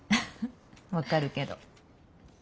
分かるけど。